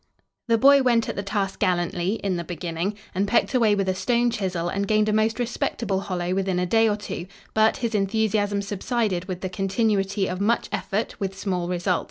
The boy went at the task gallantly, in the beginning, and pecked away with a stone chisel and gained a most respectable hollow within a day or two, but his enthusiasm subsided with the continuity of much effort with small result.